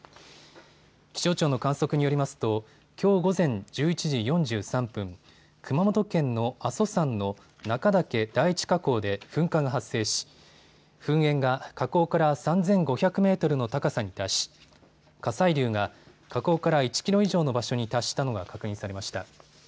気象庁の観測によりますときょう午前１１時４３分、熊本県の阿蘇山の中岳第一火口で噴火が発生し噴煙が火口から３５００メートルの高さに達し、火砕流が火口から１キロ以上の場所に達したのが確認されました。